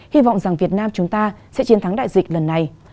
hy vọng rằng việt nam chúng ta sẽ chiến thắng đại dịch lần này